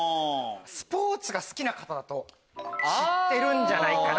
スポーツが好きな方だと知ってるんじゃないかな。